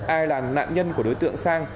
ai là nạn nhân của đối tượng sang